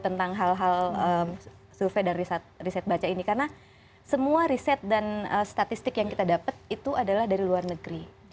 tentang hal hal survei dan riset baca ini karena semua riset dan statistik yang kita dapat itu adalah dari luar negeri